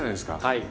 はい。